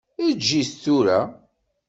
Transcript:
Eg-it tura.